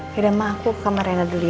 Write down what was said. iya udah aku ke kamarena dulu ya